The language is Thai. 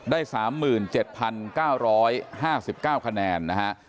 ได้๓๗๙๕๙คะแนนนะฮะ